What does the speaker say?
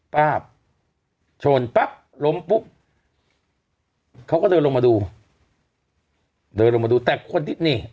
ป้าบชนปั๊บล้มปุ๊บเขาก็เดินลงมาดูเดินลงมาดูแต่คนที่นี่